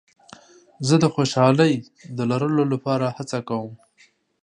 زه د خوشحالۍ د لرلو لپاره هڅه کوم.